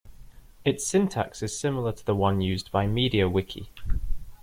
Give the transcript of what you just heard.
Its syntax is similar to the one used by MediaWiki.